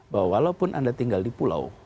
bahwa walaupun anda tinggal di pulau